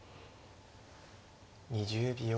２０秒。